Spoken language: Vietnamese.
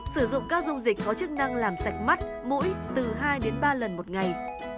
sử dụng các dung dịch có chức năng làm sạch mắt mũi từ hai đến ba lần một ngày